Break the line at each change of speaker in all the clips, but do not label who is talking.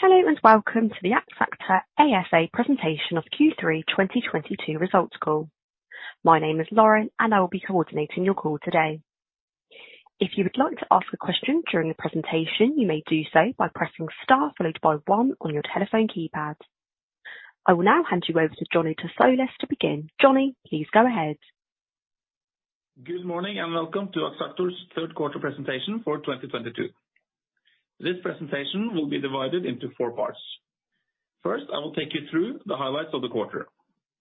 Hello and welcome to the Axactor ASA presentation of Q3 2022 results call. My name is Lauren, and I will be coordinating your call today. If you would like to ask a question during the presentation, you may do so by pressing star followed by one on your telephone keypad. I will now hand you over to Johnny Tsolis to begin. Johnny, please go ahead.
Good morning, and welcome to Axactor's third quarter presentation for 2022. This presentation will be divided into four parts. First, I will take you through the highlights of the quarter.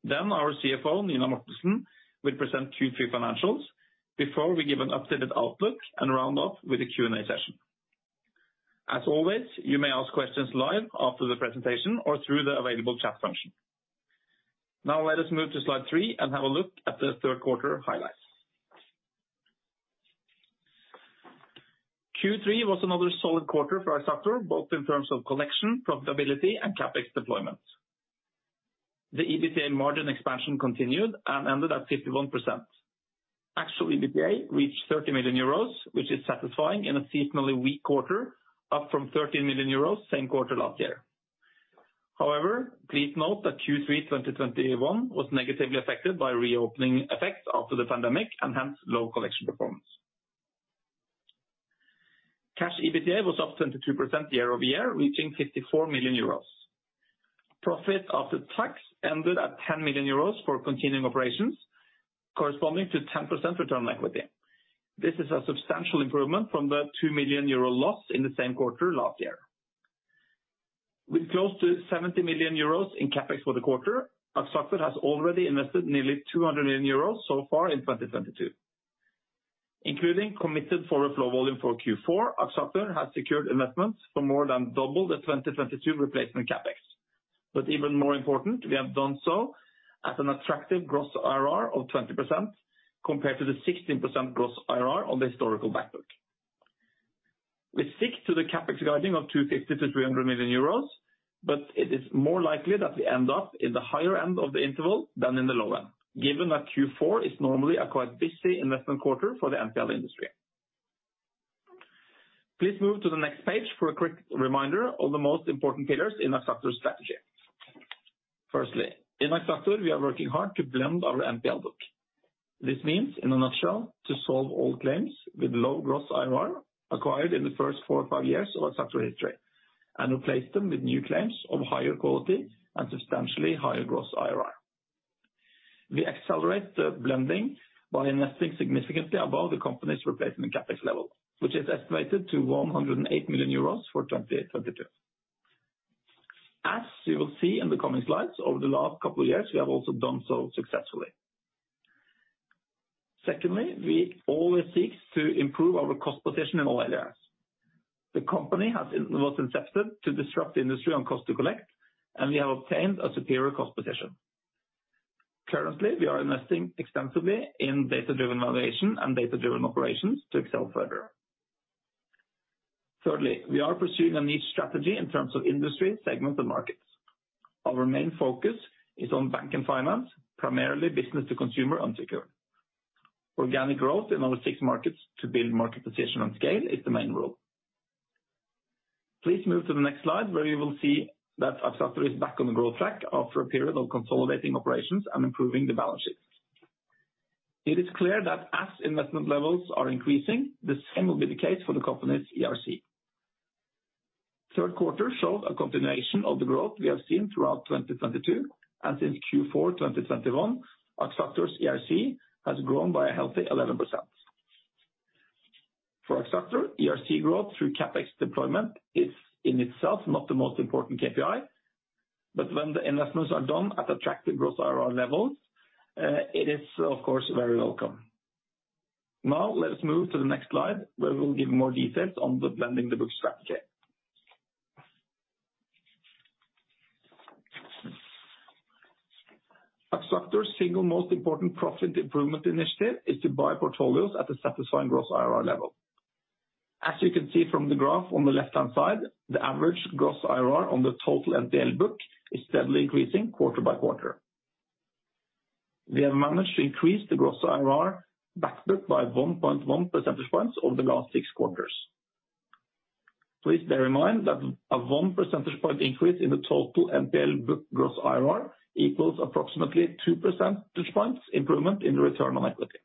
Then our CFO, Nina Mortensen, will present Q3 financials before we give an updated outlook and round off with a Q&A session. As always, you may ask questions live after the presentation or through the available chat function. Now let us move to slide three and have a look at the third quarter highlights. Q3 was another solid quarter for Axactor, both in terms of collection, profitability, and CapEx deployment. The EBITDA margin expansion continued and ended at 51%. Actual EBITDA reached 30 million euros, which is satisfying in a seasonally weak quarter, up from 13 million euros same quarter last year. However, please note that Q3 2021 was negatively affected by reopening effects after the pandemic and hence low collection performance. Cash EBITDA was up 22% year-over-year, reaching 54 million euros. Profit after tax ended at 10 million euros for continuing operations corresponding to 10% return on equity. This is a substantial improvement from the 2 million euro loss in the same quarter last year. With close to 70 million euros in CapEx for the quarter, Axactor has already invested nearly 200 million euros so far in 2022. Including committed forward flow volume for Q4, Axactor has secured investments for more than double the 2022 replacement CapEx. Even more important, we have done so at an attractive gross IRR of 20% compared to the 16% gross IRR on the historical backbook. We stick to the CapEx guiding of 250 million-300 million euros, but it is more likely that we end up in the higher end of the interval than in the low end, given that Q4 is normally a quite busy investment quarter for the NPL industry. Please move to the next page for a quick reminder of the most important pillars in Axactor's strategy. Firstly, in Axactor, we are working hard to blend our NPL book. This means, in a nutshell, to solve all claims with low gross IRR acquired in the first four or five years of Axactor history and replace them with new claims of higher quality and substantially higher gross IRR. We accelerate the blending by investing significantly above the company's replacement CapEx level, which is estimated to 108 million euros for 2022. As you will see in the coming slides, over the last couple of years, we have also done so successfully. Secondly, we always seek to improve our cost position in all areas. The company was incepted to disrupt industry on cost to collect, and we have obtained a superior cost position. Currently, we are investing extensively in data-driven valuation and data-driven operations to excel further. Thirdly, we are pursuing a niche strategy in terms of industry, segment, and markets. Our main focus is on bank and finance, primarily business to consumer unsecured. Organic growth in our six markets to build market position and scale is the main rule. Please move to the next slide where you will see that Axactor is back on the growth track after a period of consolidating operations and improving the balance sheet. It is clear that as investment levels are increasing, the same will be the case for the company's ERC. Third quarter shows a continuation of the growth we have seen throughout 2022 and since Q4 2021, Axactor's ERC has grown by a healthy 11%. For Axactor, ERC growth through CapEx deployment is in itself not the most important KPI, but when the investments are done at attractive gross IRR levels, it is of course very welcome. Now let us move to the next slide where we'll give more details on the blending-in-the-book strategy. Axactor's single most important profit improvement initiative is to buy portfolios at a satisfying gross IRR level. As you can see from the graph on the left-hand side, the average gross IRR on the total NPL book is steadily increasing quarter by quarter. We have managed to increase the gross IRR backbook by 1.1 percentage points over the last six quarters. Please bear in mind that a 1 percentage point increase in the total NPL book gross IRR equals approximately 2 percentage points improvement in the return on equity.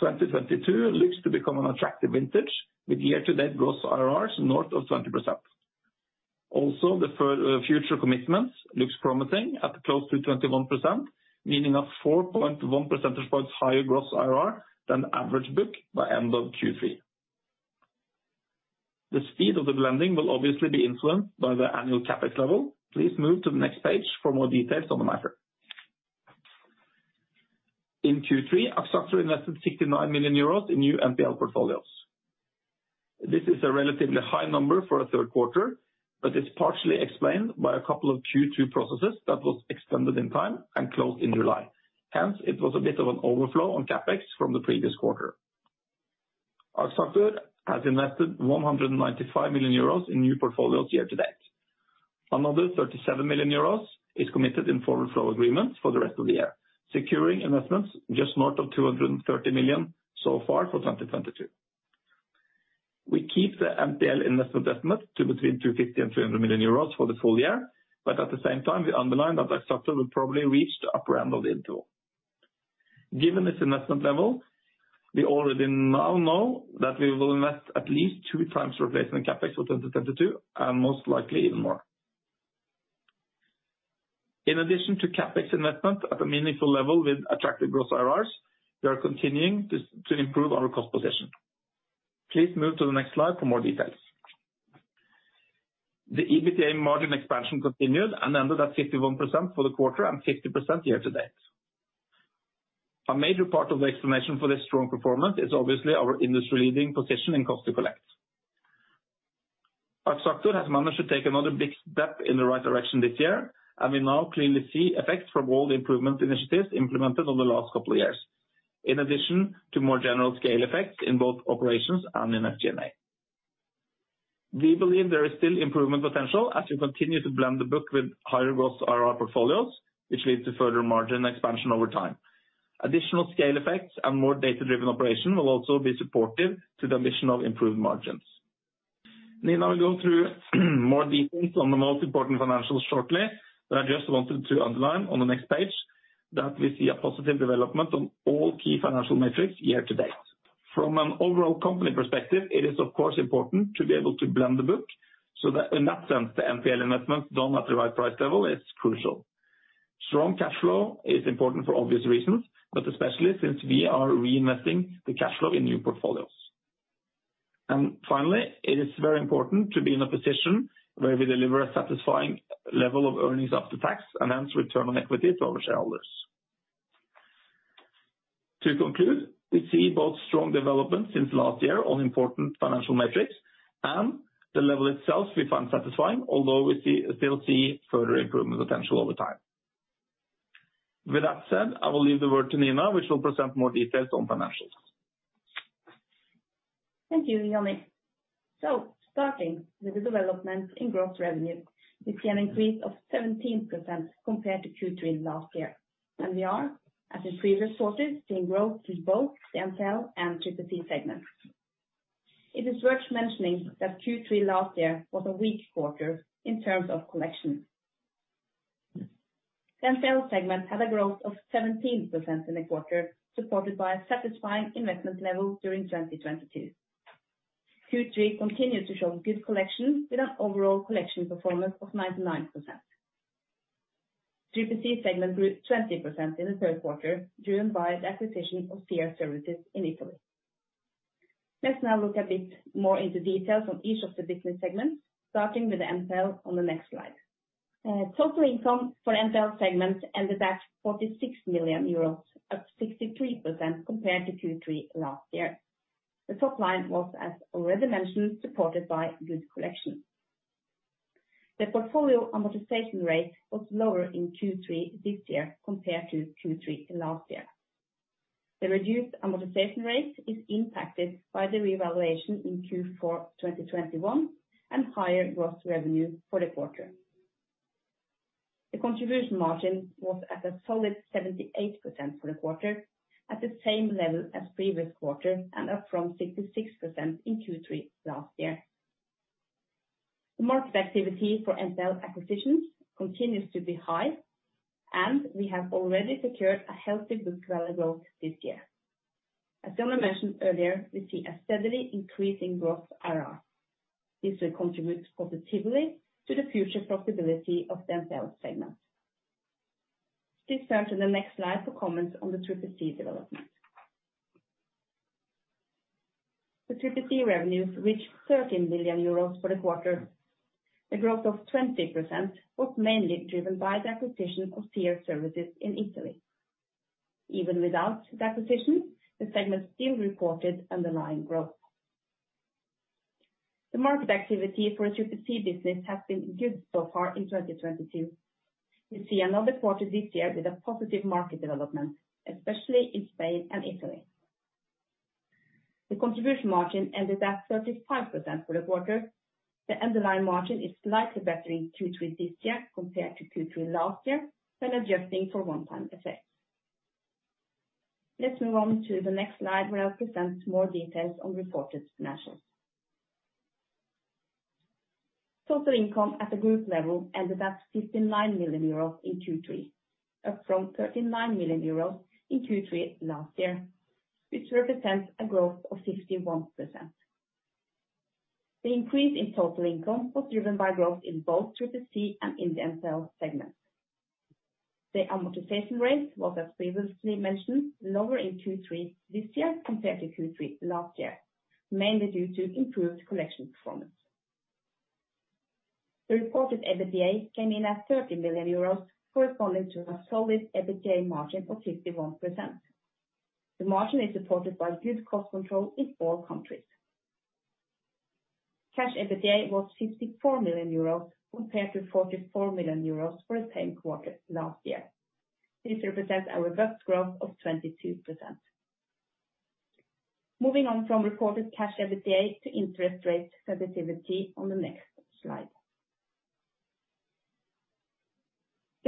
2022 looks to become an attractive vintage with year-to-date gross IRRs north of 20%. Also, the future commitments looks promising at close to 21%, meaning a 4.1 percentage points higher gross IRR than the average book by end of Q3. The speed of the blending will obviously be influenced by the annual CapEx level. Please move to the next page for more details on the matter. In Q3, Axactor invested 69 million euros in new NPL portfolios. This is a relatively high number for a third quarter, but it's partially explained by a couple of Q2 processes that was extended in time and closed in July. Hence, it was a bit of an overflow on CapEx from the previous quarter. Axactor has invested 195 million euros in new portfolios year to date. Another 37 million euros is committed in forward flow agreements for the rest of the year, securing investments just north of 230 million so far for 2022. We keep the NPL investment estimate to between 250 million and 300 million euros for the full year, but at the same time, we underline that our structure will probably reach the upper end of the interval. Given this investment level, we already now know that we will invest at least 2x replacement CapEx for 2022 and most likely even more. In addition to CapEx investment at a meaningful level with attractive growth IRRs, we are continuing to improve our cost position. Please move to the next slide for more details. The EBITDA margin expansion continued and ended at 51% for the quarter and 50% year-to-date. A major part of the explanation for this strong performance is obviously our industry-leading position in cost to collect. Our structure has managed to take another big step in the right direction this year, and we now clearly see effects from all the improvement initiatives implemented over the last couple of years, in addition to more general scale effects in both operations and in SG&A. We believe there is still improvement potential as we continue to blend the book with higher gross IRR portfolios, which leads to further margin expansion over time. Additional scale effects and more data-driven operation will also be supportive to the ambition of improved margins. Nina will go through more details on the most important financials shortly, but I just wanted to underline on the next page that we see a positive development on all key financial metrics year-to-date. From an overall company perspective, it is of course important to be able to blend the book so that in that sense, the NPL investment done at the right price level is crucial. Strong cash flow is important for obvious reasons, but especially since we are reinvesting the cash flow in new portfolios. Finally, it is very important to be in a position where we deliver a satisfying level of earnings after tax, and hence return on equity to our shareholders. To conclude, we see both strong development since last year on important financial metrics and the level itself we find satisfying, although we still see further improvement potential over time. With that said, I will leave the word to Nina, which will present more details on financials.
Thank you, Johnny. Starting with the development in gross revenue, we see an increase of 17% compared to Q3 last year. We are, as in previous quarters, seeing growth through both the NPL and 3PC Segments. It is worth mentioning that Q3 last year was a weak quarter in terms of collection. NPL segment had a growth of 17% in the quarter, supported by a satisfying investment level during 2022. Q3 continued to show good collection with an overall collection performance of 99%. 3PC Segment grew 20% in the third quarter driven by the acquisition of C.R. Service in Italy. Let's now look a bit more into details on each of the business segments, starting with the NPL on the next slide. Total income for NPL segment ended at 46 million euros, up 63% compared to Q3 last year. The top line was, as already mentioned, supported by good collection. The portfolio amortization rate was lower in Q3 this year compared to Q3 last year. The reduced amortization rate is impacted by the reevaluation in Q4 2021 and higher gross revenue for the quarter. The contribution margin was at a solid 78% for the quarter, at the same level as previous quarter and up from 66% in Q3 last year. The market activity for NPL acquisitions continues to be high, and we have already secured a healthy book value growth this year. As Johnny mentioned earlier, we see a steadily increasing growth IRR. This will contribute positively to the future profitability of the NPL segment. Please turn to the next slide for comments on the 3PC development. The 3PC revenues reached 13.1 million euros for the quarter. The growth of 20% was mainly driven by the acquisition of C.R. Service in Italy. Even without the acquisition, the segment still reported underlying growth. The market activity for 3PC business has been good so far in 2022. We see another quarter this year with a positive market development, especially in Spain and Italy. The contribution margin ended at 35% for the quarter. The underlying margin is slightly better in Q3 this year compared to Q3 last year when adjusting for one-time effects. Let's move on to the next slide, where I'll present more details on reported financials. Total income at the group level ended at 59 million euros in Q3, up from 39 million euros in Q3 last year, which represents a growth of 51%. The increase in total income was driven by growth in both 3PC and in the NPL segment. The amortization rate was, as previously mentioned, lower in Q3 this year compared to Q3 last year, mainly due to improved collection performance. The reported EBITDA came in at 30 million euros, corresponding to a solid EBITDA margin of 51%. The margin is supported by good cost control in all countries. Cash EBITDA was 54 million euros compared to 44 million euros for the same quarter last year. This represents a record growth of 22%. Moving on from reported cash EBITDA to interest rate sensitivity on the next slide.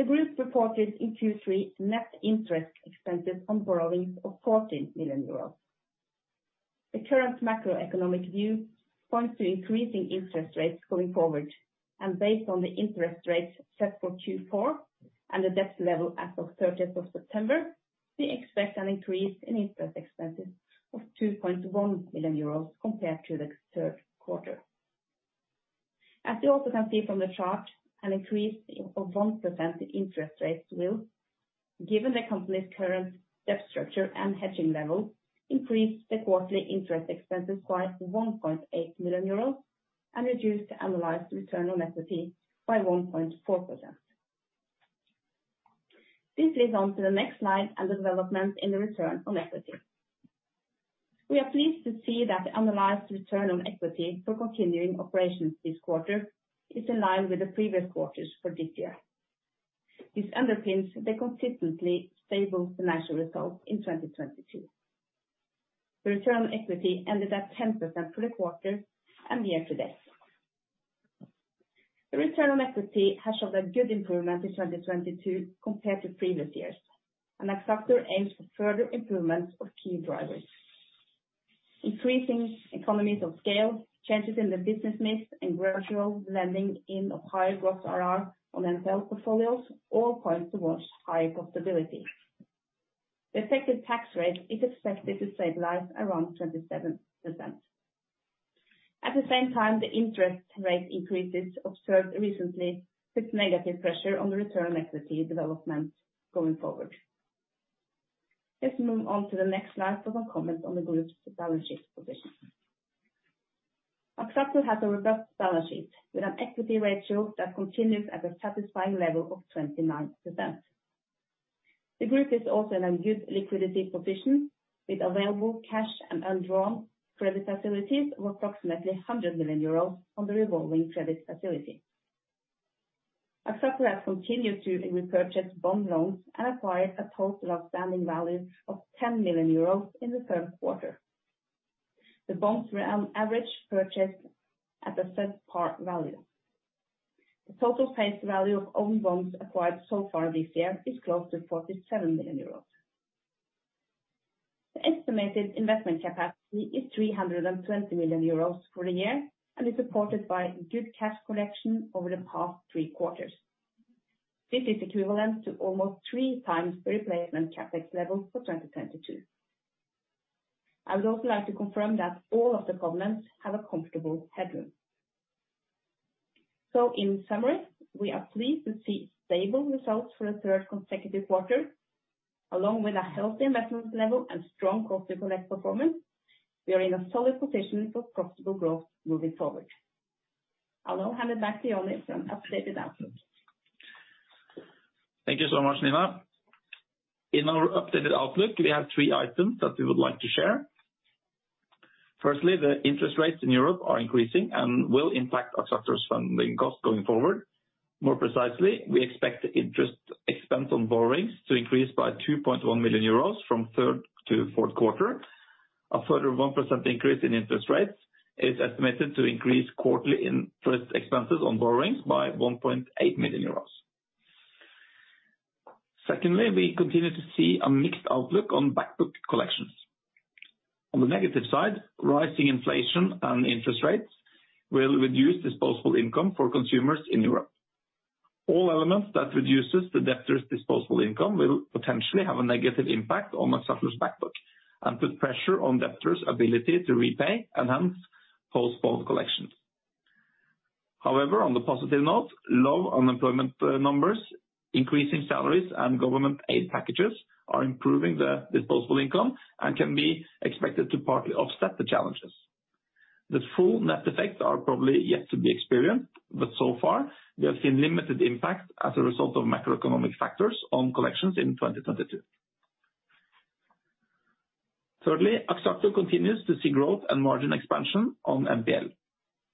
The group reported in Q3 net interest expenses on borrowings of 14 million euros. The current macroeconomic view points to increasing interest rates going forward, and based on the interest rates set for Q4 and the debt level as of 30th of September, we expect an increase in interest expenses of 2.1 million euros compared to the third quarter. As you also can see from the chart, an increase of 1% in interest rates will, given the company's current debt structure and hedging level, increase the quarterly interest expenses by 1.8 million euros and reduce the analyzed return on equity by 1.4%. This leads on to the next slide and the development in the return on equity. We are pleased to see that the analyzed return on equity for continuing operations this quarter is in line with the previous quarters for this year. This underpins the consistently stable financial results in 2022. The Return on Equity ended at 10% for the quarter and year to date. The Return on Equity has showed a good improvement in 2022 compared to previous years, and Axactor aims for further improvements of key drivers. Increasing economies of scale, changes in the business mix, and gradual blending in of higher gross IRR on NPL portfolios all point towards higher profitability. The effective tax rate is expected to stabilize around 27%. At the same time, the interest rate increases observed recently put negative pressure on the Return on Equity development going forward. Let's move on to the next slide for my comment on the group's balance sheet position. Axactor has a robust balance sheet with an Equity Ratio that continues at a satisfying level of 29%. The group is also in a good liquidity position with available cash and undrawn credit facilities of approximately 100 million euros on the revolving credit facility. Axactor has continued to repurchase bond loans and acquired a total outstanding value of 10 million euros in the third quarter. The bonds were on average purchased at a set par value. The total face value of own bonds acquired so far this year is close to 47 million euros. The estimated investment capacity is 320 million euros for the year and is supported by good cash collection over the past three quarters. This is equivalent to almost three times the replacement CapEx level for 2022. I would also like to confirm that all of the covenants have a comfortable headroom. In summary, we are pleased to see stable results for the third consecutive quarter. Along with a healthy investment level and strong cost to collect performance, we are in a solid position for profitable growth moving forward. I will hand it back to Johnny for an updated outlook.
Thank you so much, Nina. In our updated outlook, we have three items that we would like to share. Firstly, the interest rates in Europe are increasing and will impact Axactor's funding costs going forward. More precisely, we expect the interest expense on borrowings to increase by 2.1 million euros from third to fourth quarter. A further 1% increase in interest rates is estimated to increase quarterly interest expenses on borrowings by 1.8 million euros. Secondly, we continue to see a mixed outlook on back book collections. On the negative side, rising inflation and interest rates will reduce disposable income for consumers in Europe. All elements that reduces the debtor's disposable income will potentially have a negative impact on Axactor's back book and put pressure on debtors' ability to repay and hence postpone collections. However, on the positive note, low unemployment numbers, increasing salaries, and government aid packages are improving the disposable income and can be expected to partly offset the challenges. The full net effects are probably yet to be experienced, but so far we have seen limited impact as a result of macroeconomic factors on collections in 2022. Thirdly, Axactor continues to see growth and margin expansion on NPL.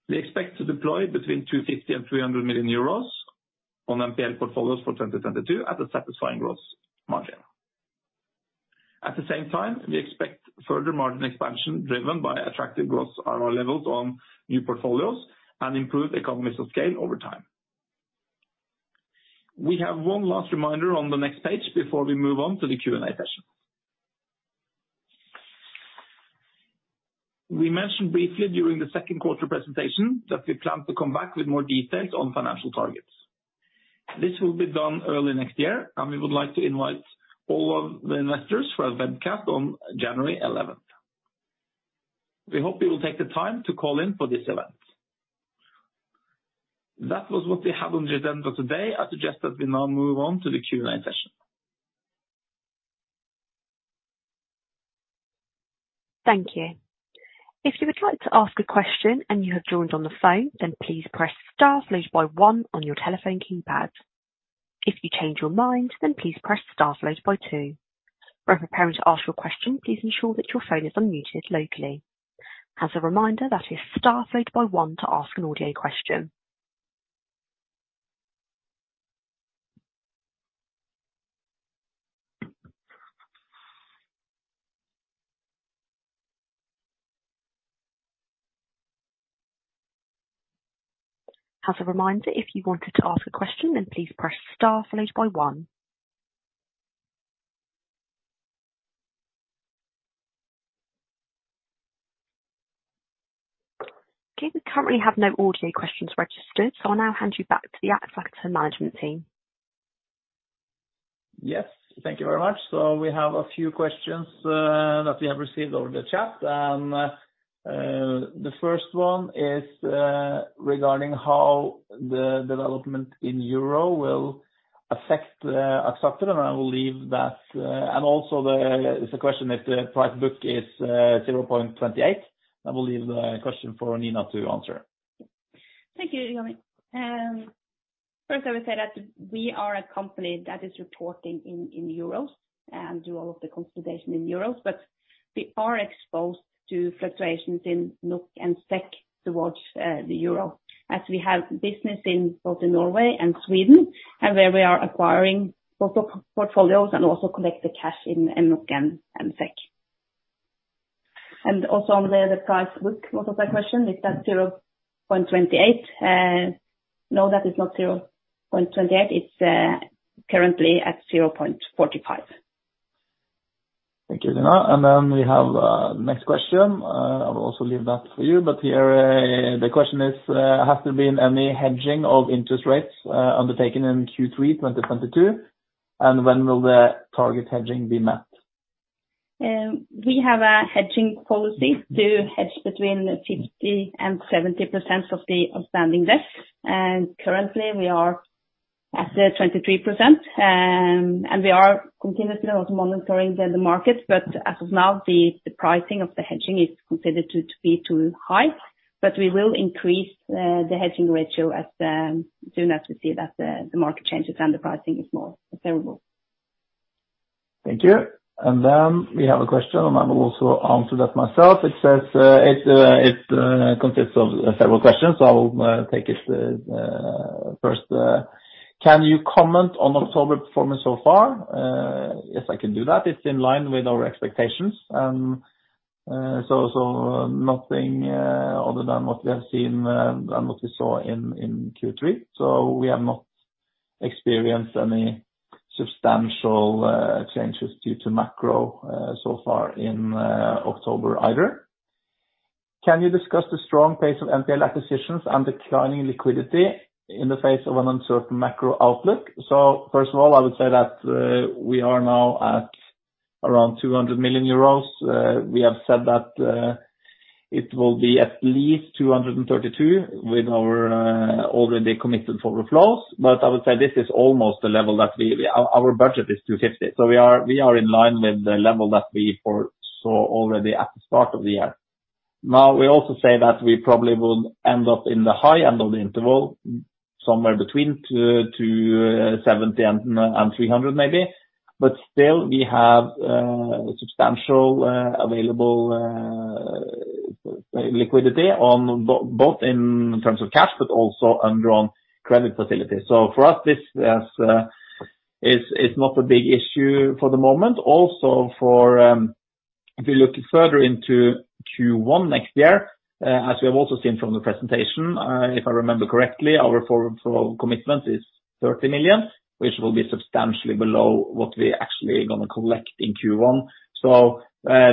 We expect to deploy between 250 million and 300 million euros on NPL portfolios for 2022 at a satisfying gross margin. At the same time, we expect further margin expansion driven by attractive gross IRR levels on new portfolios and improved economies of scale over time. We have one last reminder on the next page before we move on to the Q&A session. We mentioned briefly during the second quarter presentation that we plan to come back with more details on financial targets. This will be done early next year, and we would like to invite all of the investors for a webcast on January eleventh. We hope you will take the time to call in for this event. That was what we have on the agenda today. I suggest that we now move on to the Q&A session.
Thank you. If you would like to ask a question and you have joined on the phone, then please press star followed by one on your telephone keypad. If you change your mind, then please press star followed by two. When preparing to ask your question, please ensure that your phone is unmuted locally. As a reminder, that is star followed by one to ask an audio question. As a reminder, if you wanted to ask a question, then please press star followed by one. Okay. We currently have no audio questions registered, so I'll now hand you back to the Axactor management team.
Yes. Thank you very much. We have a few questions that we have received over the chat. The first one is regarding how the development in euro will affect Axactor, and I will leave that. There's a question if the Price-to-Book Ratio is 0.28. I will leave the question for Nina to answer.
Thank you, Johnny. First I would say that we are a company that is reporting in euros and do all of the consolidation in euros. We are exposed to fluctuations in NOK and SEK towards the euro as we have business in both Norway and Sweden, and where we are acquiring both portfolios and also collect the cash in NOK and SEK. Also on the Price-to-Book Ratio, also that question, is that 0.28? No, that is not 0.28. It's currently at 0.45.
Thank you, Nina. Then we have next question. I'll also leave that for you. Here the question is, has there been any hedging of interest rates undertaken in Q3 2022? When will the target hedging be met?
We have a hedging policy to hedge between 50% and 70% of the outstanding debt. Currently we are at 23%. We are continuously also monitoring the markets. As of now the pricing of the hedging is considered to be too high. We will increase the hedging ratio as soon as we see that the market changes and the pricing is more favorable.
Thank you. Then we have a question, and I will also answer that myself. It says, it consists of several questions. I will take it first. Can you comment on October performance so far? Yes, I can do that. It's in line with our expectations. Nothing other than what we have seen than what we saw in Q3. We have not experienced any substantial changes due to macro so far in October either. Can you discuss the strong pace of NPL acquisitions and declining liquidity in the face of an uncertain macro outlook? First of all, I would say that, we are now at around 200 million euros. We have said that it will be at least 232 with our already committed forward flows. I would say this is almost the level that our budget is 250, so we are in line with the level that we foresaw already at the start of the year. Now, we also say that we probably will end up in the high end of the interval, somewhere between 270 and 300 maybe. Still, we have substantial available liquidity on both in terms of cash but also undrawn credit facilities. For us, this is not a big issue for the moment. Also for, if you look further into Q1 next year, as we have also seen from the presentation, if I remember correctly, our forward flow commitment is 30 million, which will be substantially below what we're actually gonna collect in Q1.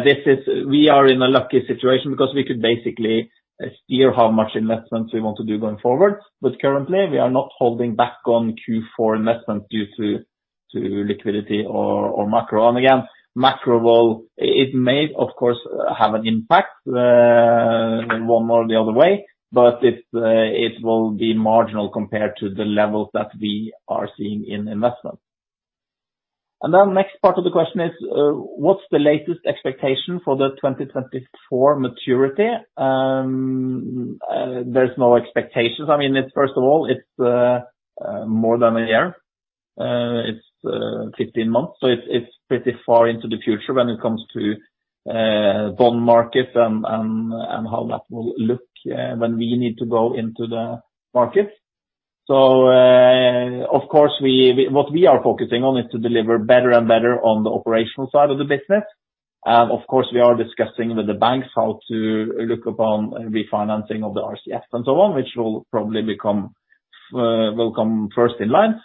This is. We are in a lucky situation because we could basically steer how much investments we want to do going forward. Currently we are not holding back on Q4 investments due to liquidity or macro. Again, macro will. It may of course have an impact in one or the other way, but it will be marginal compared to the levels that we are seeing in investment. Then next part of the question is, what's the latest expectation for the 2024 maturity? There's no expectations. I mean, it's first of all, more than a year. It's 15 months, so it's pretty far into the future when it comes to bond markets and how that will look when we need to go into the markets. Of course what we are focusing on is to deliver better and better on the operational side of the business. Of course, we are discussing with the banks how to look upon refinancing of the RCF and so on, which will probably come first in line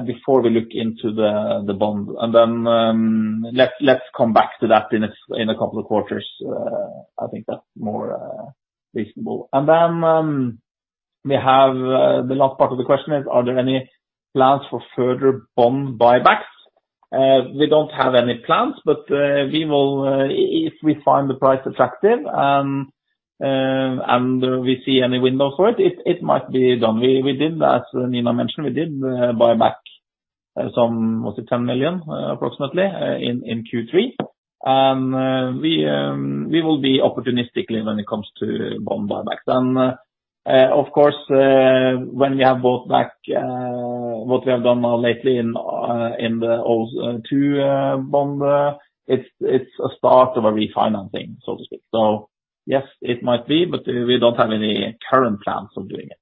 before we look into the bond. Then, let's come back to that in a couple of quarters. I think that's more reasonable. We have the last part of the question is, are there any plans for further bond buybacks? We don't have any plans, but we will, if we find the price attractive and we see any window for it might be done. We did, as Nina mentioned, buyback some, was it 10 million, approximately, in Q3. We will be opportunistically when it comes to bond buybacks. Of course, when we have bought back what we have done now lately in the two bond, it's a start of a refinancing, so to speak. Yes, it might be, but we don't have any current plans of doing it.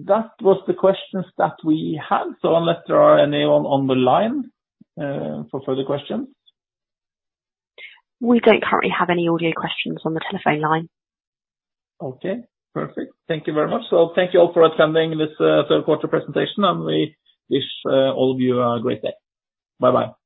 That was the questions that we had. Unless there are any on the line for further questions.
We don't currently have any audio questions on the telephone line.
Okay. Perfect. Thank you very much. Thank you all for attending this third quarter presentation, and we wish all of you a great day. Bye-bye.